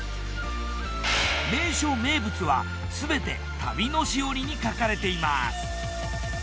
名所・名物はすべて旅のしおりに書かれています。